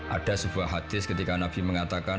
ada sebuah hadis ketika nabi mengatakan